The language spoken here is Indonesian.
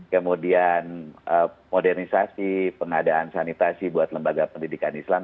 kemudian modernisasi pengadaan sanitasi buat lembaga pendidikan islam